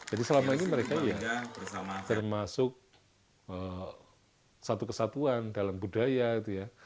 jadi selama ini mereka ya termasuk satu kesatuan dalam budaya gitu ya